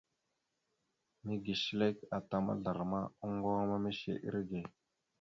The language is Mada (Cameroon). Mege shəlek ata mazlarəma, oŋŋgoŋa ma mishe irəge.